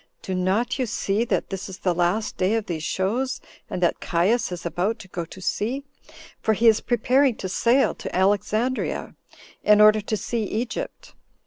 Do not you see that this is the last day of these shows, and that Caius is about to go to sea? for he is preparing to sail to Alexandria, in order to see Egypt.